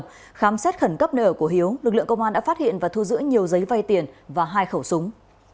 trong khám xét khẩn cấp nở của hiếu lực lượng công an đã phát hiện và thu giữ nhiều giấy vai tiền và hai khẩu súng